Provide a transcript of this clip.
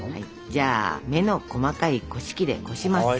じゃあ目の細かいこし器でこします。